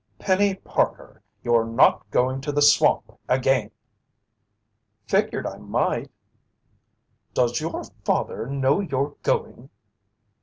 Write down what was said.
"Penny Parker, you're not going to the swamp again!" "Figured I might." "Does your father know you're going?"